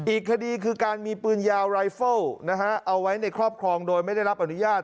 อีกคดีคือการมีปืนยาวรายเฟิลเอาไว้ในครอบครองโดยไม่ได้รับอนุญาต